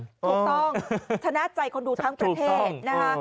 ถูกต้องชนะใจคนดูทั้งประเทศนะคะ